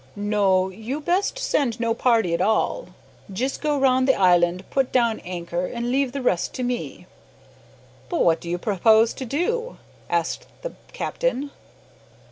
"No. You best send no party at all. Jis' go round the island, put down angker, an' leave the rest to me." "But what do you propose to do?" asked the captain.